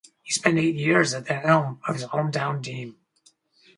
He spent eight years at the helm of his hometown team.